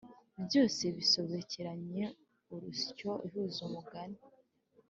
byose bisobekeranye urusyo ihuza umugani